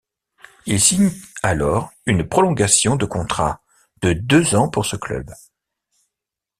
Il signe alors une prolongation de contrat de deux ans pour ce club.